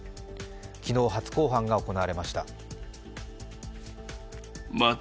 昨日、初公判が行われました。